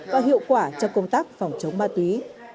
và hiệu quả cho công tác phòng chống ma túy